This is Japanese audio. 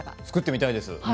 作ってみたいです。